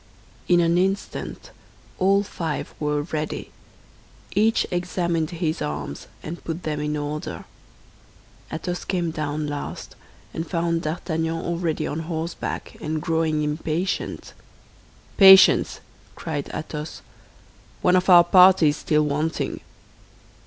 In an instant all five were ready. Each examined his arms, and put them in order. Athos came down last, and found D'Artagnan already on horseback, and growing impatient. "Patience!" cried Athos; "one of our party is still wanting."